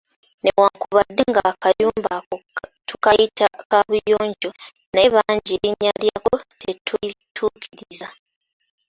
Newankubadde nga akayumba ako tukayita kaabuyonjo, naye bangi erinnya lyako tetulituukiriza.